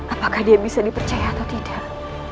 apakah dia bisa dipercaya atau tidak